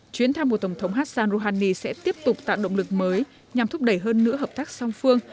chuyến thăm của tổng thống hassan rouhani sẽ tiếp tục tạo động lực mới nhằm thúc đẩy hơn nữa hợp tác song phương